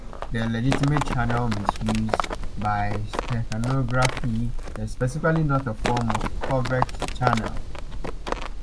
The legitimate channel misuse by steganography is specifically not a form of covert channel.